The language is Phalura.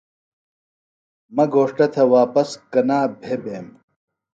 مہ گھوݜٹہ تھےۡ واپس کنا بھےۡ بیم